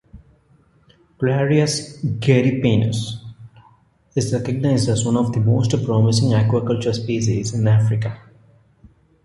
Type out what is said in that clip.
"Clarias gariepinus" is recognized as one of the most promising aquaculture species in Africa.